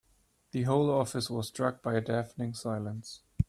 The whole office was struck by a deafening silence.